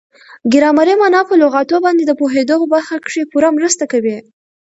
ګرامري مانا په لغاتو باندي د پوهېدو په برخه کښي پوره مرسته کوي.